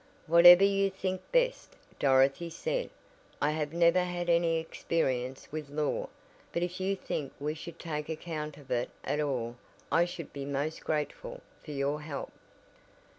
"Whatever you think best," Dorothy said, "I have never had any experience with law. But if you think we should take account of it at all I should be most grateful for your help."